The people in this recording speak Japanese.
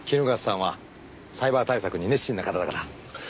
衣笠さんはサイバー対策に熱心な方だから。